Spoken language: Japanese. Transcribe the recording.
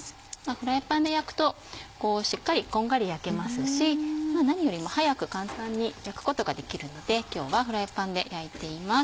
フライパンで焼くとしっかりこんがり焼けますしなによりも早く簡単に焼くことができるので今日はフライパンで焼いています。